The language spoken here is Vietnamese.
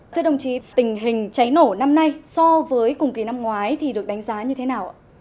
thưa đồng chí tình hình cháy nổ năm nay so với cùng kỳ năm ngoái thì được đánh giá như thế nào ạ